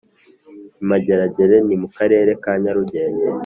Imageragere ni mukarere ka nyarugenge